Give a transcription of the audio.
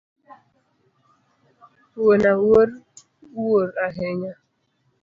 Wuon Awuor wuor ahinya